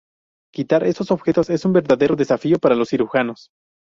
Quitar estos objetos es un verdadero desafío para los cirujanos.